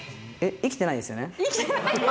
生きてないです。